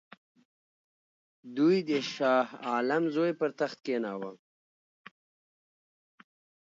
دوی د شاه عالم زوی پر تخت کښېناوه.